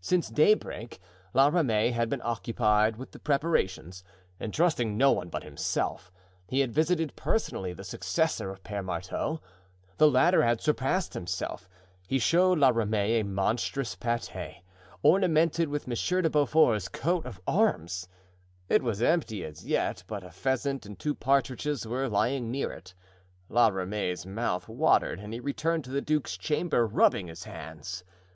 Since daybreak La Ramee had been occupied with the preparations, and trusting no one but himself, he had visited personally the successor of Pere Marteau. The latter had surpassed himself; he showed La Ramee a monstrous pate, ornamented with Monsieur de Beaufort's coat of arms. It was empty as yet, but a pheasant and two partridges were lying near it. La Ramee's mouth watered and he returned to the duke's chamber rubbing his hands.